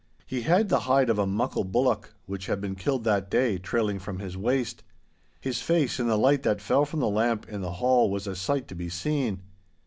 He had the hide of a muckle bullock, which had been killed that day, trailing from his waist. His face, in the light that fell from the lamp in the hall, was a sight to be seen.